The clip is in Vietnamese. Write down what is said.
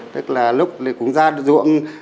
tức là lúc cũng ra ruộng